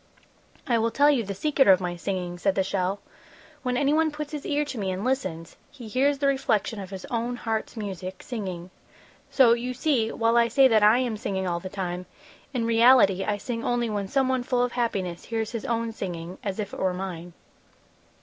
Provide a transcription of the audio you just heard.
"I will tell you the secret of my singing," said the shell. "When anyone puts his ear to me and listens, he hears the reflection of his own heart's music, singing; so, you see, while I say that I am singing all the time, in reality I sing only when someone full of happiness hears his own singing as if it were mine."